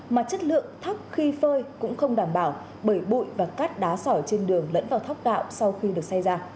mà chất lượng thấp khi phơi cũng không đảm bảo bởi bụi và cát đá sỏi trên đường lẫn vào thóc gạo sau khi được xây ra